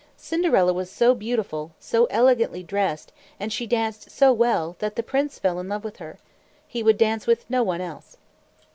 Cinderella was so beautiful, so elegantly dressed, and she danced so well, that the prince fell in love with her. He would dance with no one else.